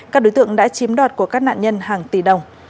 các đối tượng đã chiếm đoạt của các nạn nhân hàng tỷ đồng